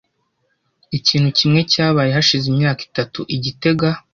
Ikintu kimwe cyabaye hashize imyaka itatu i gitega.